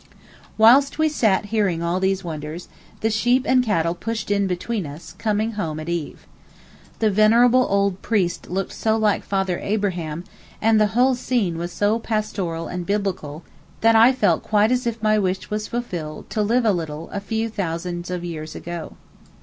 Whilst we sat hearing all these wonders, the sheep and cattle pushed in between us, coming home at eve. The venerable old priest looked so like Father Abraham, and the whole scene was so pastoral and Biblical that I felt quite as if my wish was fulfilled to live a little a few thousands of years ago.